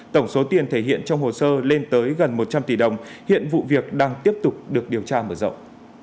tổng số tiền thể hiện trong hồ sơ lên tới gần một trăm linh tỷ đồng hiện vụ việc đang tiếp tục được điều tra mở rộng